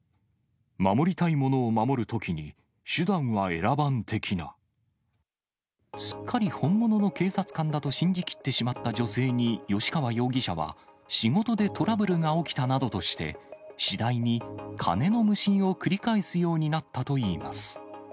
守りたいものを守るときに、すっかり本物の警察官だと信じ切ってしまった女性に、吉川容疑者は、仕事でトラブルが起きたなどとして、次第に金の無心を繰り返すようになったといいます。